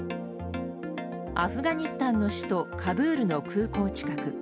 アフガニスタンの首都カブールの空港近く。